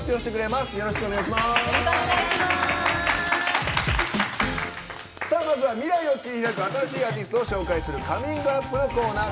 まずは未来を切り開く新しいアーティストを紹介する「ＣｏｍｉｎｇＵｐ！」のコーナー。